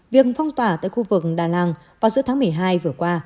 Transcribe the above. việc phong tỏa tại khu vực đà làng vào giữa tháng một mươi hai vừa qua